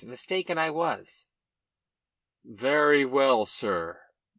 Mistaken I was." "Very well, sir."